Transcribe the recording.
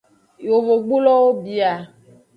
Yovogbulowo bia.